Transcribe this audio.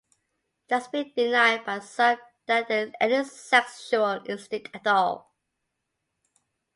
It has been denied by some that there is any sexual instinct at all.